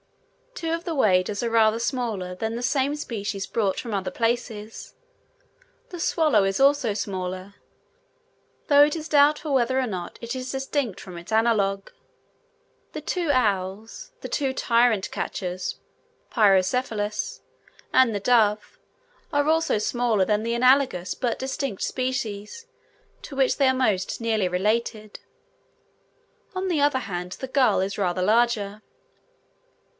Two of the waders are rather smaller than the same species brought from other places: the swallow is also smaller, though it is doubtful whether or not it is distinct from its analogue. The two owls, the two tyrant catchers (Pyrocephalus) and the dove, are also smaller than the analogous but distinct species, to which they are most nearly related; on the other hand, the gull is rather larger.